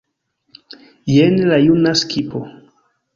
Jen ja juna skipo.